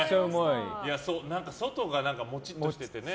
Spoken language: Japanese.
外がモチッとしててね。